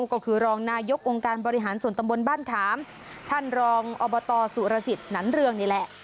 ก็คือรองนายกองค์การบริหารส่วนตำบลบ้านขามท่านรองอบตสุรสิทธิ์หนันเรืองนี่แหละ